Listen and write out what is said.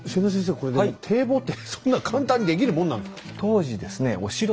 これでも堤防ってそんな簡単に出来るもんなんですか？